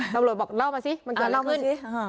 ตำรวจบอกเล่ามาซิมันเกิดอะไรขึ้น